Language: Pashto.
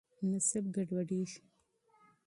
نسب ګډوډېږي.